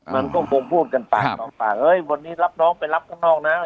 มันก็คงพูดกันปากสองปากเฮ้ยวันนี้รับน้องไปรับข้างนอกนะ